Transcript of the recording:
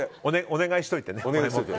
お願いしておいてね。